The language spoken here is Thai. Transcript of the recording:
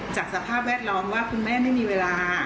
สภาพแวดล้อมว่าคุณแม่ไม่มีเวลา